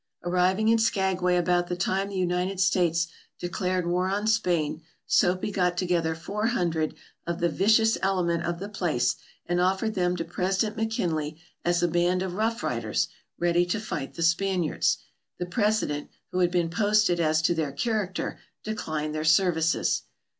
Arriving in Skagway about the time the United States declared war on Spain, Soapy got together four hundred of the vicious element of the place and offered them to President McKinley as a band of rough riders, ready to fight the Spaniards. The President, who had been posted as to their character, declined their services.